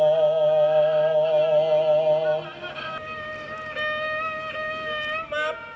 pertama mereka berubah menjadi perempuan yang berubah